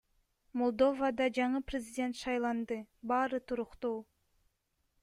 Молдовада жаңы президент шайланды, баары туруктуу.